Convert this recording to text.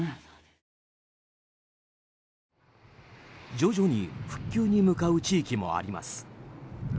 徐々に復旧に向かう地域もあります。